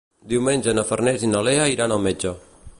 Diumenge na Farners i na Lea iran al metge.